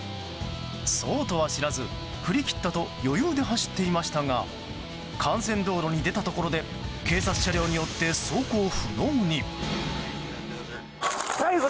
そうとは知らず、振り切ったと余裕で走っていましたが幹線道路に出たところで警察車両によって走行不能に。